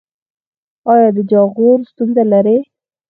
ایا د جاغور ستونزه لرئ؟